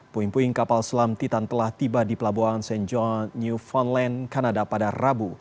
puing puing kapal selam titan telah tiba di pelabuhan st john new foundland kanada pada rabu